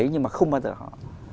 nhưng mà không bao giờ họ